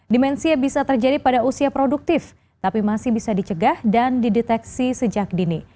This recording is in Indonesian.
dimensia bisa terjadi pada usia produktif tapi masih bisa dicegah dan dideteksi sejak dini